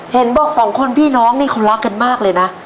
เห็นบอกสองคนพี่น้องนี่เขารักกันมากเลยนะ